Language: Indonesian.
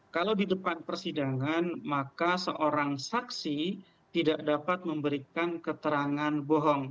kalau di depan persidangan maka seorang saksi tidak dapat memberikan keterangan bohong